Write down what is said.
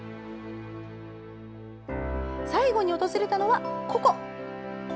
最後に訪れたのは、ここ。